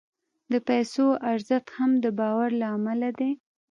د پیسو ارزښت هم د باور له امله دی.